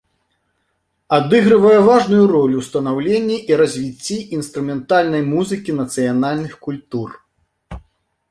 Адыгрывае важную ролю ў станаўленні і развіцці інструментальнай музыкі нацыянальных культур.